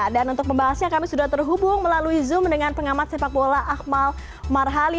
untuk membahasnya kami sudah terhubung melalui zoom dengan pengamat sepak bola akmal marhali